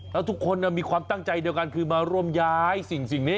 แล้วทุกคนมีความตั้งใจเดียวกันคือมาร่วมย้ายสิ่งนี้